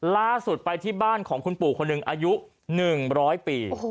ล่าสุดไปที่บ้านของคุณปู่คนหนึ่งอายุ๑๐๐ปี